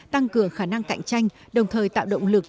tăng cường khả năng cạnh tranh đồng thời tạo động lực